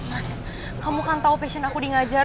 mas kamu kan tahu passion aku di ngajar